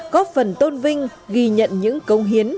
có phần tôn vinh ghi nhận những công hiến